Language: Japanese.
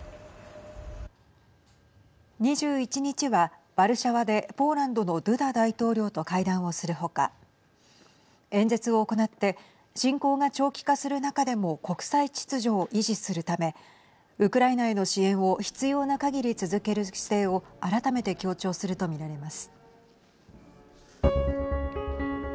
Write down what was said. ２１日はワルシャワでポーランドのドゥダ大統領と会談をする他演説を行って侵攻が長期化する中でも国際秩序を維持するためウクライナへの支援を必要なかぎり続ける姿勢を改めて強調すると見られます。